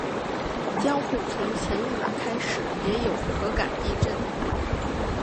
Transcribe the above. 江户从前一晚开始也有可感地震。